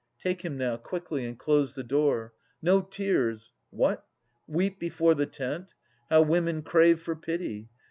— Take him now, Quickly, and close the door. No tears! What! weep Before the tent? How women crave for pity!